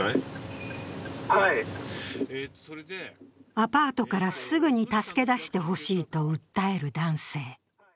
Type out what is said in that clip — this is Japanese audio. アパートからすぐに助け出してほしいと訴える男性。